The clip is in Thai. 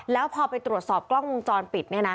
แล้วพอไปตรวจสอบกล้องพุมโจรปิด